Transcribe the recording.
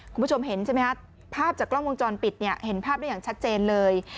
คุณผู้ชมเห็นใช่ไหมครับภาพจากกล้องวงจรปิดเนี่ยเห็นภาพได้อย่างชัดเจนเลย